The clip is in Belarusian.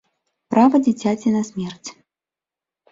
Права дзіцяці на смерць.